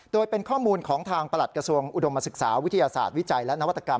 โดยเป็นข้อมูลของทางประหลัดกระทรวงอุดมศึกษาวิทยาศาสตร์วิจัยและนวัตกรรม